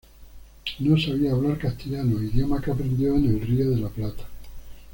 No sabía hablar castellano, idioma que aprendió en el Río de la Plata.